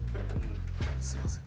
すみません。